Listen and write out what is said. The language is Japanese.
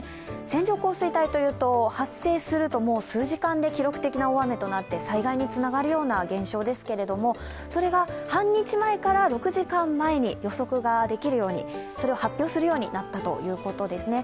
線状降水帯というと発生すると数時間で記録的な大雨となって災害につながるような現象ですけれども、それが半日前から６時間前に予測ができるように、それを発表するようになったということですね。